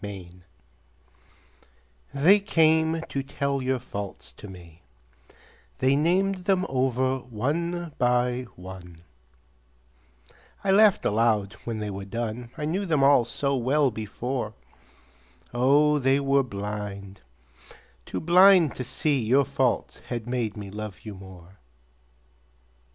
Faults They came to tell your faults to me, They named them over one by one; I laughed aloud when they were done, I knew them all so well before, Oh, they were blind, too blind to see Your faults had made me love you more.